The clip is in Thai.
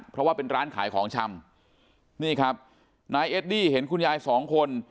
เพราะว่าเป็นร้านขายของชำนี่ครับนายเอดดี้เห็นคุณยายสองคน